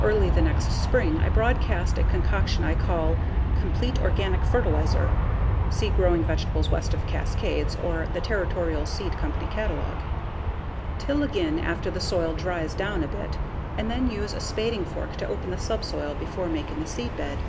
Early the next spring I broadcast a concoction I call "complete organic fertilizer" (see Growing Vegetables West of the Cascades or the Territorial Seed Company Catalog), till again after the soil dries down a bit, and then use a spading fork to open the subsoil before making a seedbed.